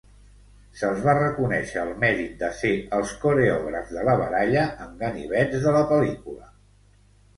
Se'ls va reconèixer el mèrit de ser els coreògrafs de la baralla amb ganivets de la pel·lícula.